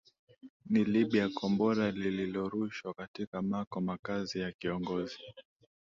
ni libya kombora lililorushwa katika mako makazi ya kiongozi